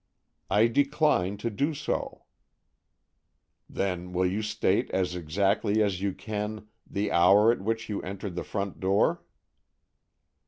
"I decline to do so." "Then, will you state as exactly as you can the hour at which you entered the front door?"